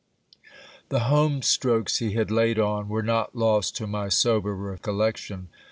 The home strokes he had laid on were not lost to my sober recollection.